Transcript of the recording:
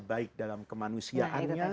baik dalam kemanusiaannya